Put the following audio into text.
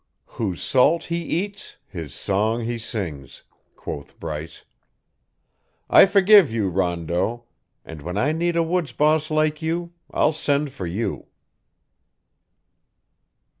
"'Whose salt he eats, his song he sings,'" quoth Bryce. "I forgive you, Rondeau, and when I need a woods boss like you, I'll send for you."